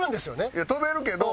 いや飛べるけど。